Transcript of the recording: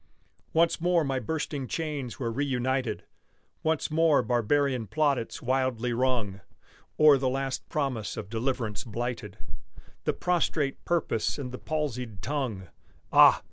Once more my bursting chains were reunited, Once more barbarian plaudits wildly rung O'er the last promise of deliverance blighted, The prostrate purpose and the palsied tongue: Ah!